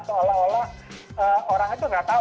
seolah olah orang itu nggak tahu